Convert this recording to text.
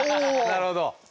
なるほど。